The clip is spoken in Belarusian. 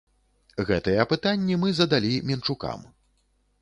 Гэтыя пытанні мы задалі менчукам.